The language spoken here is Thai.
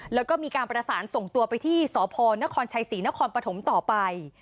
แล้วก็มีการประสานส่งตัวไปที่สพนครชัยศรีนครปฐมต่อไป